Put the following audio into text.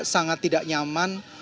sangat tidak nyaman